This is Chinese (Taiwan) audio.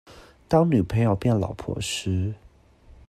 當女朋友變老婆時